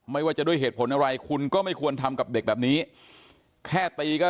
ไม่ว่าจะด้วยเหตุผลอะไรคุณก็ไม่ควรทำกับเด็กแบบนี้แค่ตีก็